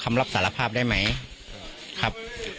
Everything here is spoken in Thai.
กลุ่มวัยรุ่นกลัวว่าจะไม่ได้รับความเป็นธรรมทางด้านคดีจะคืบหน้า